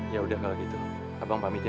ya udah kalau gitu abang pamit ya